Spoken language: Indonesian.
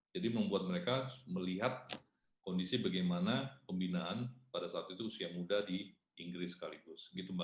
jadi membuat mereka melihat kondisi bagaimana pembinaan pada saat itu usia muda di inggris sekaligus gitu mbak